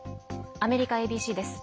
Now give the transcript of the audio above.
アメリカＡＢＣです。